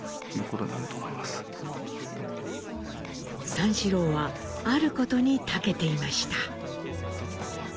三四郎はあることに長けていました。